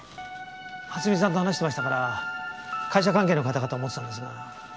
初見さんと話してましたから会社関係の方かと思ってたんですが。